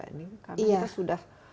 karena kita sudah